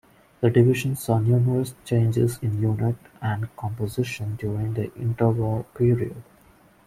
The division saw numerous changes in units and composition during the interwar period.